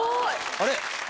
あれ？